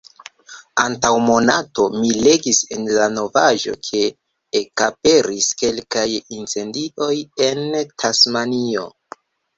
Antaŭ monato, mi legis en la novaĵo ke ekaperis kelkaj incendioj en Tasmanio.